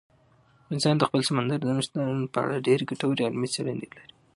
افغانستان د خپل سمندر نه شتون په اړه ډېرې ګټورې او علمي څېړنې لري.